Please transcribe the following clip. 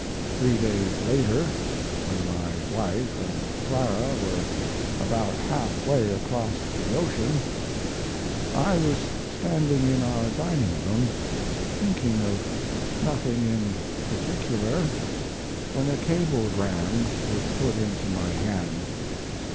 Three days later, when my wife and Clara were about half way across the ocean, I was standing in our dining room, thinking of nothing in particular, when a cablegram was put into my hand.